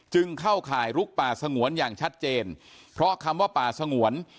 เข้าข่ายลุกป่าสงวนอย่างชัดเจนเพราะคำว่าป่าสงวน